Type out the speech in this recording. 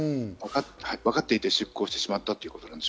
わかっていて出港してしまったということ。